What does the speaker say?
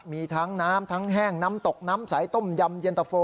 มีทั้งน้ำทั้งแห้งน้ำตกน้ำใสต้มยำเย็นตะโฟ